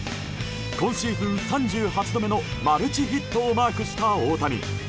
今シーズン３８度目のマルチヒットをマークした大谷。